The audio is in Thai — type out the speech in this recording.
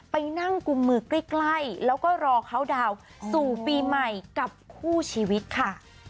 ไปนั่งกุมมือใกล้แล้วก็รอเขาดาวน์สู่ปีใหม่กับคู่ชีวิตค่ะ